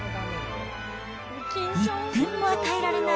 １点も与えられない